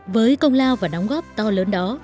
với công lao và đóng góp to lớn đó